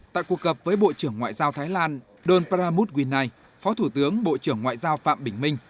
tại cuộc gặp với bộ trưởng ngoại giao thái lan don pramuth winai phó thủ tướng bộ trưởng ngoại giao phạm bình minh